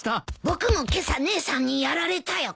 僕も今朝姉さんにやられたよ。